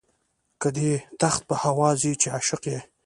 که دي تخت په هوا ځي چې عاشق یې.